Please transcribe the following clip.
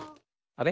あれ？